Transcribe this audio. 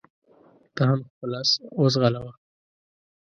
ته هم خپل اس وځغلوه.